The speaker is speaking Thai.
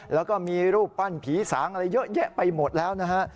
แล้วก็มีรูปปั้นผีสางอะไรเยอะแยะไปหมดแล้วนะฮะ